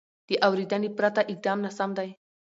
د اورېدنې پرته اقدام ناسم دی.